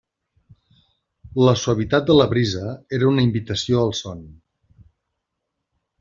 La suavitat de la brisa era una invitació al son.